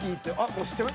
もう知ってる？